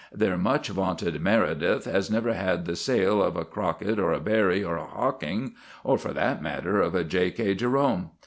Their much vaunted Meredith has never had the sale of a Crockett or a Barrie or a Hocking, or, for that matter, of a J.K. Jerome.